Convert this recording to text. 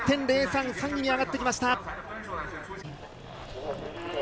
８０．０３で３位に上がってきました。